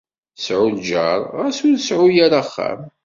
Sεu lǧar, ɣas ur seεεu ara axxam.